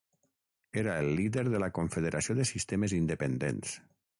Era el Líder de la Confederació de Sistemes Independents.